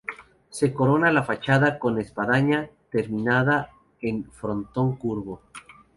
Se corona la fachada con espadaña terminada en frontón curvo.